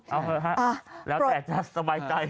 เอาเถอะครับแล้วแต่ถ้าสบายใจ